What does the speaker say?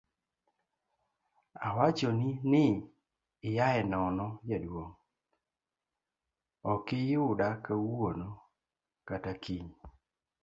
awachoni ni iaye nono jaduong',okiyuda kawuono kata kiny